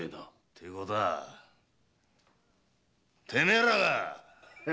てことはてめえらが！